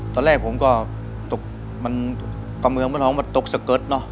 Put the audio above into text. ตอนแรกผมก็ตกมันกำเมืองมันออกมาตกสะเกิดเนอะ